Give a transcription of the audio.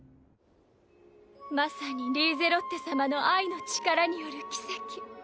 まさにリーゼロッテ様の愛の力による奇跡。